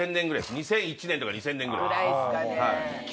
２００１年とか２０００年ぐらい。ぐらいですかね。